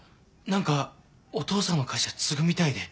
何かお父さんの会社継ぐみたいで。